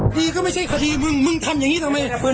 คดีก็ไม่ใช่คดีมึงมึงทำอย่างนี้ทำไม